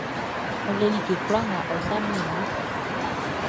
Ɔ le like kwlaa nga ɔ sa miɛn i wunʼn.